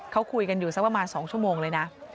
เขาคุยกันอยู่สักประมาณ๒ชั่วโมงเลยนะ